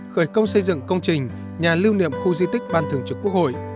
khởi công xây dựng công trình nhà lưu niệm khu di tích ban thời chủ quốc hội